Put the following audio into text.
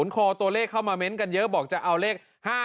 คอตัวเลขเข้ามาเม้นต์กันเยอะบอกจะเอาเลข๕๗